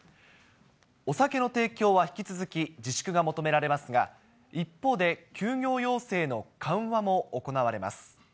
お酒の提供は引き続き自粛が求められますが、一方で、休業要請の緩和も行われます。